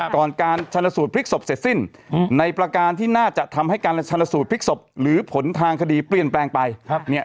การชนสูตรพลิกศพเสร็จสิ้นในประการที่น่าจะทำให้การชนสูตรพลิกศพหรือผลทางคดีเปลี่ยนแปลงไป